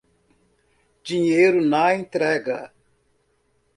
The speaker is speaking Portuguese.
Dinheiro na entrega